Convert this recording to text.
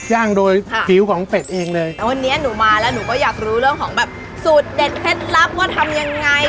ย่างโดยผิวของเป็ดเองเลยแล้ววันนี้หนูมาแล้วหนูก็อยากรู้เรื่องของแบบสูตรเด็ดเคล็ดลับว่าทำยังไง